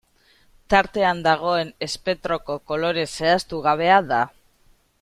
Tartean dagoen espektroko kolore zehaztu gabea da.